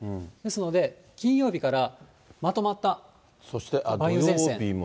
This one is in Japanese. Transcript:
ですので、金曜日からまとまった梅雨前線。